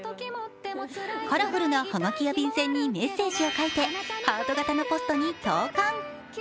カラフルなはがきや便箋にメッセージを書いて、ハート形のポストに投かん。